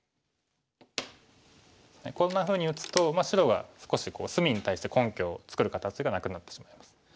こんなふうに打つと白は少し隅に対して根拠を作る形がなくなってしまいます。